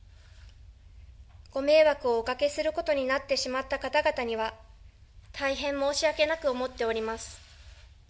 ご迷惑をおかけすることになってしまった方々には、大変申し訳なく思っております。